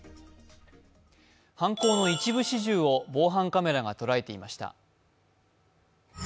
犯行の一部始終を防犯カメラが捉えていました。